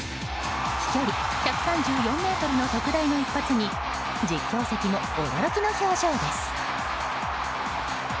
飛距離１３４ｍの特大の一発に実況席も驚きの表情です。